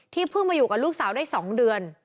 เพิ่งมาอยู่กับลูกสาวได้๒เดือน